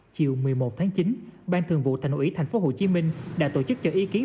chiều một mươi một tháng chín ban thường vụ thành ủy thành phố hồ chí minh đã tổ chức cho ý kiến